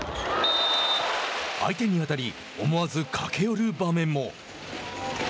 相手に当たり思わず駆け寄る場面で。